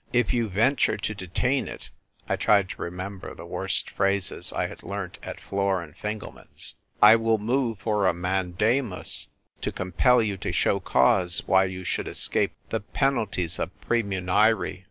If you venture to detain it "— I tried to remember the worst phrases I had learnt at Flor and Fingelman's — "I will move for a mandamus to compel you to show cause why you should escape the penalties of praemunire."